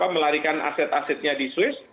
melarikan aset asetnya di swiss